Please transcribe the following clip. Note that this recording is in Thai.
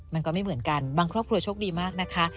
มันก็ไม่เหมือนกันบางครอบครัวโชคดีมากนะคะ